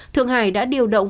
thượng hải đã điều động